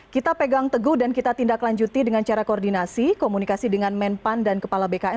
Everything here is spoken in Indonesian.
kita pegang teguh dan kita tindak lanjuti dengan cara koordinasi komunikasi dengan menpan dan kepala bkn